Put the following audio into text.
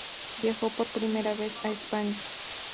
Viajó por primera vez a España.